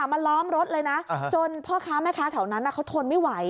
มาล้อมรถเลยนะจนพ่อค้าแม่ค้าแถวนั้นเขาทนไม่ไหว